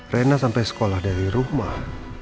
rena sampai sekolah dari rumah